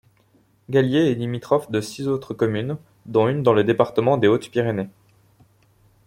Galié est limitrophe de six autres communes dont une dans le département des Hautes-Pyrénées.